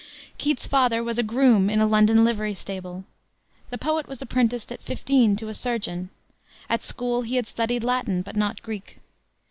Keats's father was a groom in a London livery stable. The poet was apprenticed at fifteen to a surgeon. At school he had studied Latin, but not Greek.